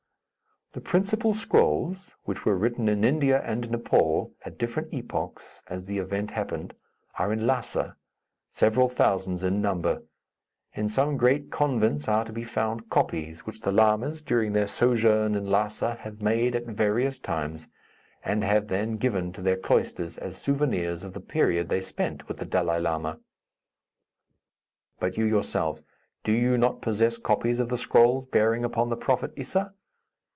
"The principal scrolls which were written in India and Nepaul, at different epochs, as the events happened are in Lhassa; several thousands in number. In some great convents are to be found copies, which the lamas, during their sojourn in Lhassa, have made, at various times, and have then given to their cloisters as souvenirs of the period they spent with the Dalai Lama." "But you, yourselves; do you not possess copies of the scrolls bearing upon the prophet Issa?"